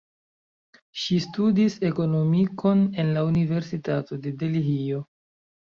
Ŝi studis ekonomikon en la Universitato de Delhio.